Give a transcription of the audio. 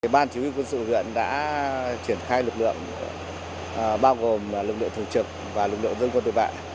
bàn chỉ huy quân sự huyện đã triển khai lực lượng bao gồm lực lượng thủ trực và lực lượng dân quân tùy bại